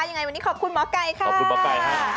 ยังไงวันนี้ขอบคุณหมอก่ายค่ะขอบคุณหมอก่ายค่ะ